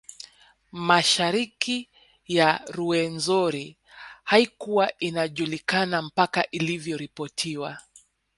Mashariki ya Ruwenzori haikuwa inajulikana mpaka ilivyoripotiwa